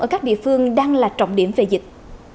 ở các địa phương đang là trọng điểm về dịch